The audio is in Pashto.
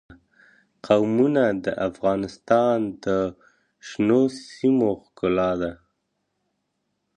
قومونه د افغانستان د شنو سیمو ښکلا ده.